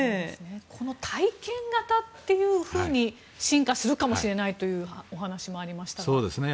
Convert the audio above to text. この体験型が進化するかもしれないという話もありましたが。